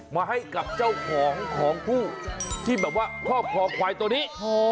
มาให้กับเจ้าของของผู้ที่แบบว่าครอบครองควายตัวนี้